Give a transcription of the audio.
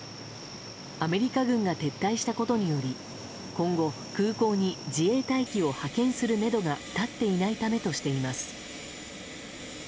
アメリカ軍が撤退したことにより今後、空港に自衛隊機を派遣するめどが立っていないためとしています。